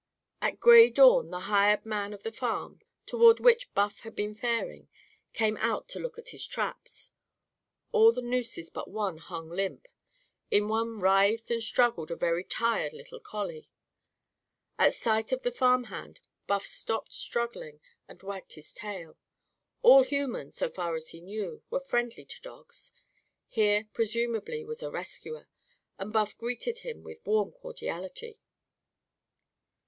At gray dawn, the hired man of the farm, toward which Buff had been faring, came out to look at his traps. All the nooses but one hung limp. In one writhed and struggled a very tired little collie. At sight of the farm hand, Buff stopped struggling and wagged his tail. All humans, so far as he knew, were friendly to dogs. Here, presumably, was a rescuer. And Buff greeted him with warm cordiality.